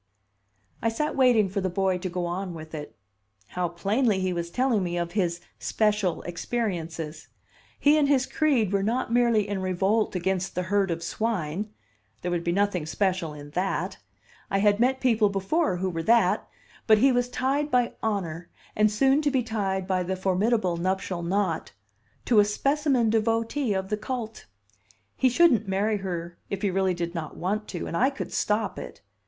I sat waiting for the boy to go on with it. How plainly he was telling me of his "special experiences"! He and his creed were not merely in revolt against the herd of swine; there would be nothing special in that; I had met people before who were that; but he was tied by honor, and soon to be tied by the formidable nuptial knot, to a specimen devotee of the cult. He shouldn't marry her if he really did not want to, and I could stop it!